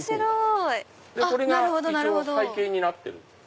これが一応背景になってる。